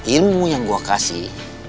ilmu yang gue kasih